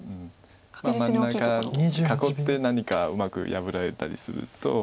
真ん中囲って何かうまく破られたりすると。